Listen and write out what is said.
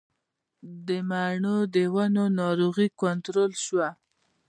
د مڼو د ونو ناروغي کنټرول شوه؟